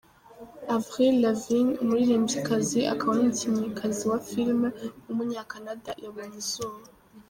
Avril Lavigne, umuririmbyikazi, akaba n’umukinnyikazi wa film w’umunya-Canada yabonye izuba.